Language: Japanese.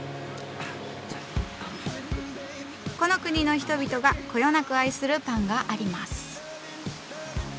この国の人々がこよなく愛するパンがあります。